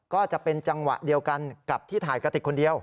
ก็จะเป็นจังหวะเดียวกันกับที่ถ่ายกระติกคนเดียว